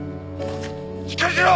しっかりしろ！